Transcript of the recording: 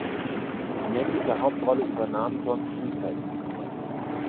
Die männliche Hauptrolle übernahm John Cusack.